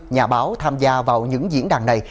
nhà báo tham gia vào những diễn đàn này